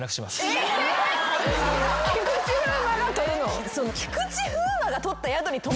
菊池風磨が取るの？